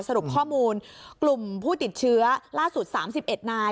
สรุปข้อมูลกลุ่มผู้ติดเชื้อล่าสุด๓๑นาย